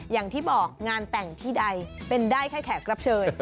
อย่างที่บอกงานแต่งที่ใดเป็นได้แค่แขกรับเชิญ